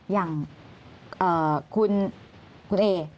อย่างคุณเอ